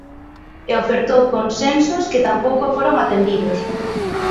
E ofertou consensos que tampouco foron atendidos.